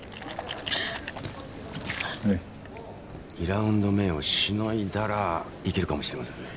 ２ラウンド目をしのいだらいけるかもしれませんね。